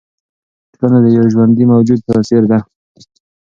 ټولنه د یوه ژوندي موجود په څېر ده.